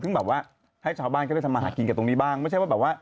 เพราะว่าจริงต้องมีการยื่นขอรับใบอนุญาตต่อได้